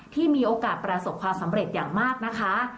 ที่มีโอกาสประสบความสำเร็จอย่างมากนะคะ